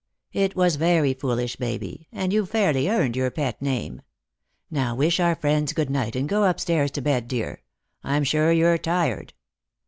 " It was very foolish, Baby ! and you've fairly earned your pet name. Now, wish our friends good night, and go up stairs to bed, dear ; I'm sure you're tired."